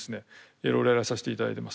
いろいろやらさせて頂いてます。